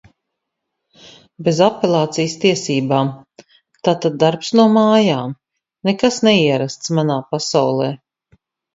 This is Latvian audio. Bez apelācijas tiesībām. Tātad darbs no mājām – nekas neierasts manā pasaulē.